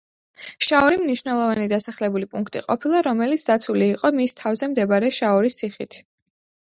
შაორი მნიშვნელოვანი დასახლებული პუნქტი ყოფილა, რომელიც დაცული იყო მის თავზე მდებარე შაორის ციხით.